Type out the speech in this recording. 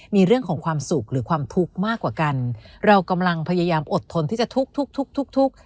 มีเรื่องของความสุขหรือความทุกข์มากกว่ากันเรากำลังพยายามอดทนที่จะทุกข์ทุกทุก